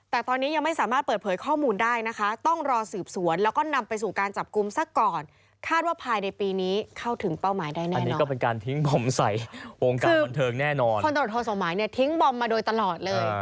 ผมใส่โรงการบนเทิงแน่นอนคือควรตลอดโทษหมายเนี่ยทิ้งบอมมาโดยตลอดเลย